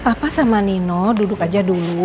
papa sama nino duduk aja dulu